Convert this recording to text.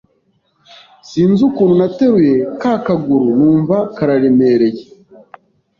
sinzi ukuntu nateruye ka kaguru numva kararemereye